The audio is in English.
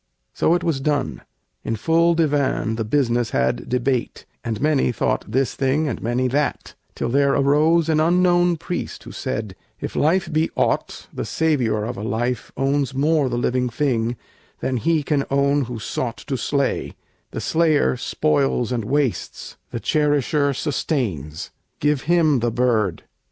So was it done; In full divan the business had debate, And many thought this thing and many that, Till there arose an unknown priest who said, "If life be aught, the savior of a life Owns more the living thing than he can own Who sought to slay; the slayer spoils and wastes, The cherisher sustains: give him the bird."